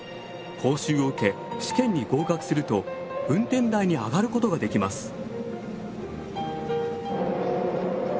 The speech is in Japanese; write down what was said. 講習を受け試験に合格すると運転台に上がることができます。